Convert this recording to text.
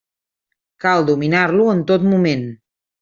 Cal dominar-lo en tot moment.